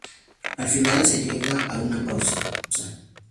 Al final, se llega a una pausa.